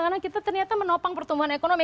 karena kita ternyata menopang pertumbuhan ekonomi